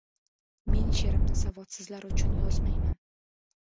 — Men she’rimni savodsizlar uchun yozmayman!